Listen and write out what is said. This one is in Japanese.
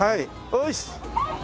「よし！」